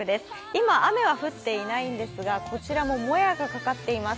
今、雨は降っていないんですが、こちらももやがかかっています。